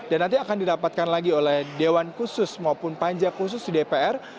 dan nanti akan didapatkan lagi oleh dewan khusus maupun panja khusus di dpr